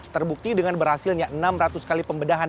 terbukti dengan berhasilnya enam ratus kali pembedahan